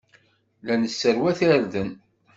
La nesserwat irden.